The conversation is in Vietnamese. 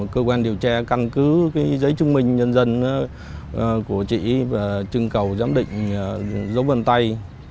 cơ quan điều tra căn cứ giấy chứng minh nhân dân của chị và trưng cầu giám định dấu vân tay